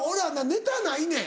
ネタないねん。